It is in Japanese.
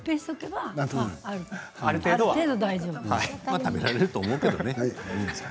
まあ食べられると思うけどね。